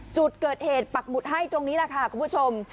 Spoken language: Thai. จุดเกิดเหตุปักหมุดให้ตรงนี้แหละค่ะคุณผู้ชม